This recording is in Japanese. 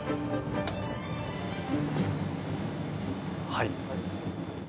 はい。